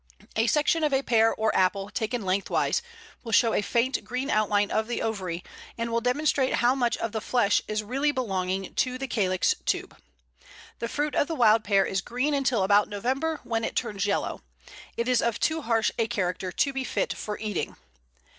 A section of a pear or apple, taken lengthwise, will show a faint green outline of the ovary, and will demonstrate how much of the flesh is really belonging to the calyx tube. The fruit of the Wild Pear is green until about November, when it turns yellow. It is of too harsh a character to be fit for eating.